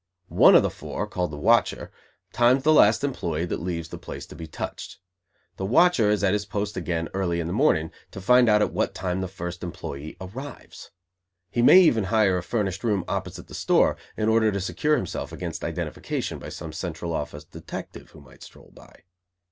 One of the four, called the "watcher", times the last employee that leaves the place to be "touched". The "watcher" is at his post again early in the morning, to find out at what time the first employee arrives. He may even hire a furnished room opposite the store, in order to secure himself against identification by some Central Office detective who might stroll by.